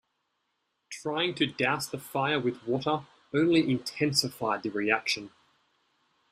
Trying to douse the fire with water only intensified the reaction.